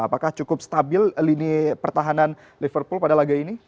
apakah cukup stabil lini pertahanan liverpool pada laga ini